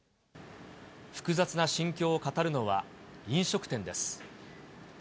複雑な心境を語るのは、飲食店です。